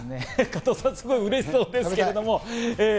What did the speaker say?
加藤さん、うれしそうですけれども。